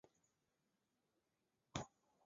市民大会通常是精心安排好的活动。